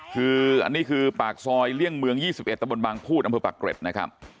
คืออันนี้คือปากซอยเลี่ยงเมือง๒๑ตะบนบางพูดอำเภอปากเกร็ดนะครับ